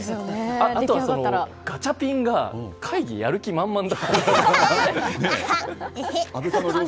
あとはガチャピンが会議、やる気満々で。